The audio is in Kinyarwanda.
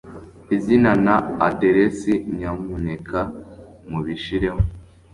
izina na aderesi, nyamuneka mubishireho